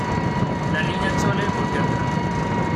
la Niña Chole volvió a entrar.